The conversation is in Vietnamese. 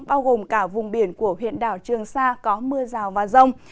bao gồm cả vùng biển của huyện đảo trường sa có mưa rào và rông